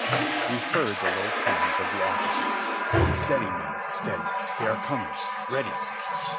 We heard the low tones of the officer: ''Steady, men! Steady! They are coming! Ready!"